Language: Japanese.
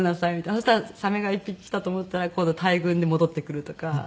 そしたらサメが１匹来たと思ったら今度大群で戻ってくるとか。